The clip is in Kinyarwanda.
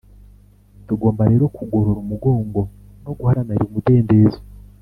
“tugomba rero kugorora umugongo no guharanira umudendezo. ”